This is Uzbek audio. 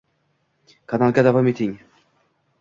Kanalga davom eting👇👇👇